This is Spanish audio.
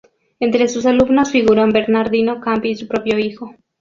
Entre sus alumnos figuran Bernardino Campi y su propio hijo.